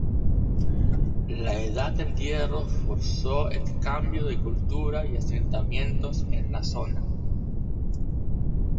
La Edad del Hierro forzó el cambio de cultura y asentamientos en la zona.